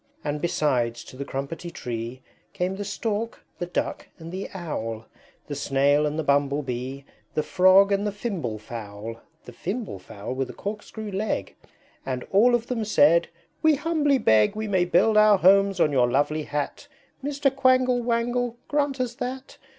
IV. And besides, to the Crumpetty Tree Came the Stork, the Duck, and the Owl; The Snail and the Bumble Bee, The Frog and the Fimble Fowl (The Fimble Fowl, with a Corkscrew leg); And all of them said, "We humbly beg We may build our homes on your lovely Hat, Mr. Quangle Wangle, grant us that!